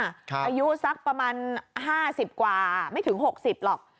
อายุสักประมาณ๕๐กว่าไม่ถึง๖๐หรอก